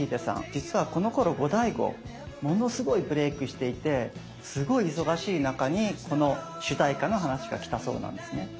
実はこのころゴダイゴものすごいブレークしていてすごい忙しい中にこの主題歌の話が来たそうなんですね。